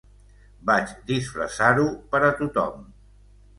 Vaig disfressar-ho per a tothom.